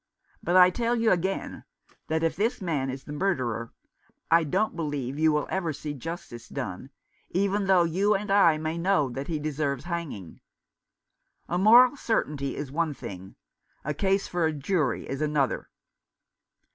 But I tell you, again, that if this man is the murderer, I don't believe you will ever see justice done, even though you and I may know that he deserves hanging. A moral certainty is one thing, a case for a jury is another.